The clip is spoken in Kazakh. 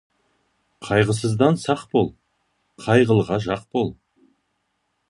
Қайғысыздан сақ бол, қайғылыға жақ бол.